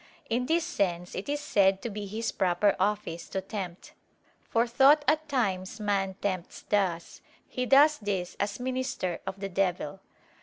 In this sense it is said to be his proper office to tempt: for thought at times man tempts thus, he does this as minister of the devil.